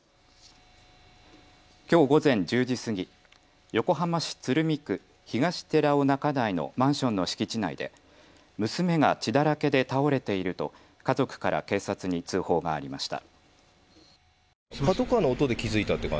きょう午前１０時過ぎ、横浜市鶴見区東寺尾中台のマンションの敷地内で娘が血だらけで倒れていると家族から警察に通報がありました。